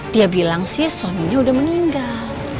dia bilang sih suaminya udah meninggal